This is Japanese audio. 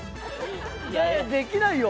できないよ。